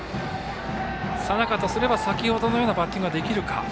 佐仲とすれば先程のようなバッティングができるか。